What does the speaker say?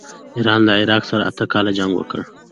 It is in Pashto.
ایران له عراق سره اته کاله جنګ وکړ.